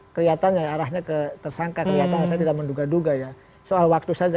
keliatannya arahnya tersangka kelihatannya saya tidak menduga duga ya soal waktu saja